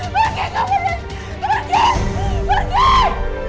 pergi kamu dari sini